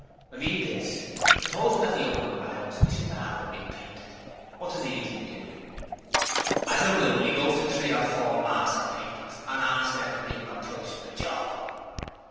'I mean this: supposing that the owner of a house wishes to have it repainted. What does he usually do?' 'As a rule, 'e goes to three or four master painters and asks 'em to give 'im a price for the job.'